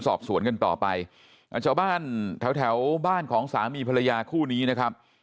สอบสวนกันต่อไปชาวบ้านแถวแถวบ้านของสามีภรรยาคู่นี้นะครับ